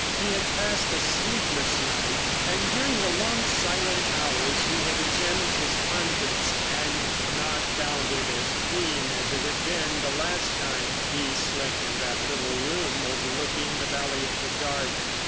He had passed a sleepless night, and during the long, silent hours he had examined his conscience and not found it as clean as it had been the last time he slept in that little room overlooking the valley of the Dart.